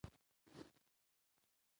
د نظر اختلاف د دښمنۍ مانا نه لري